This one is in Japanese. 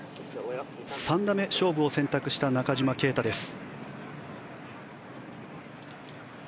３打目勝負を選択した中島啓太です。